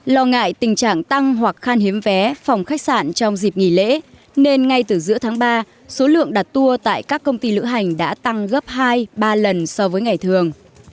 lo ngại tình trạng tăng hoặc khan hiếm vé phòng khách sạn trong dịp nghỉ lễ nên ngay từ giữa tháng ba số lượng đặt tour tại các công ty lữ hành đã tăng gấp hai ba lần so với ngày thường